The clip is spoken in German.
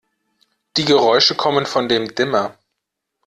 Die Geräusche kommen von dem Dimmer.